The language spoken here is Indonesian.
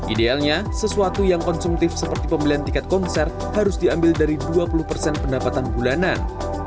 idealnya sesuatu yang konsumtif seperti pembelian tiket konser harus diambil dari dua puluh persen pendapatan bulanan